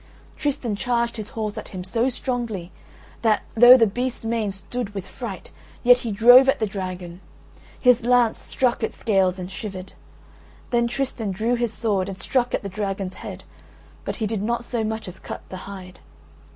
Tristan charged his horse at him so strongly that, though the beast's mane stood with fright yet he drove at the dragon: his lance struck its scales and shivered. Then Tristan drew his sword and struck at the dragon's head, but he did not so much as cut the hide.